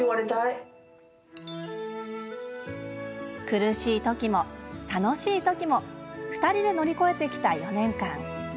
苦しい時も、楽しい時も２人で乗り越えてきた４年間。